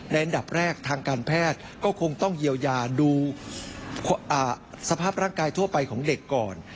อันดับแรกทางการแพทย์ก็คงต้องเยียวยาดูสภาพร่างกายทั่วไปของเด็กก่อน